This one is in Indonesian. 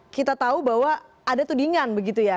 kita tahu bahwa ada tudingan begitu ya